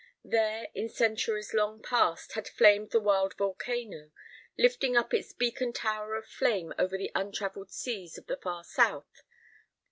There, in centuries long passed, had flamed the wild volcano, lifting up its beacon tower of flame over the untravelled seas of the far south.